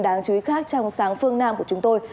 đáng chú ý khác trong sáng phương nam của chúng tôi